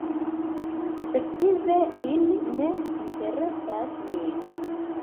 Efektive ili ne interesas min.